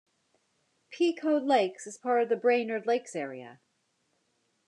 Pequot Lakes is part of the Brainerd Lakes Area.